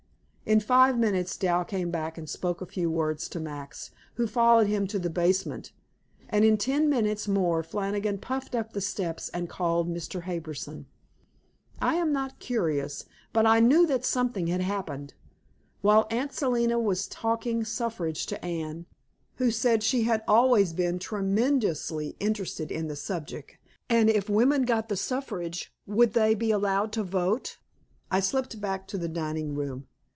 In five minutes Dal came back and spoke a few words to Max, who followed him to the basement, and in ten minutes more Flannigan puffed up the steps and called Mr. Harbison. I am not curious, but I knew that something had happened. While Aunt Selina was talking suffrage to Anne who said she had always been tremendously interested in the subject, and if women got the suffrage would they be allowed to vote? I slipped back to the dining room.